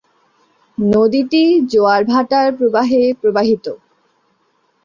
নদীটি জোয়ার ভাটার প্রবাহে প্রবাহিত।